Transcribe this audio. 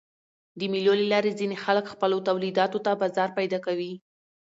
د مېلو له لاري ځيني خلک خپلو تولیداتو ته بازار پیدا کوي.